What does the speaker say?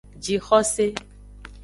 Jixose.